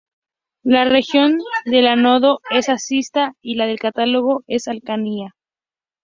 La región del ánodo es ácida y la del cátodo es alcalina.